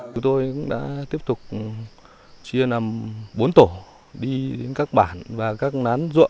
chúng tôi đã tiếp tục chia nằm bốn tổ đi đến các bản và các nán ruộng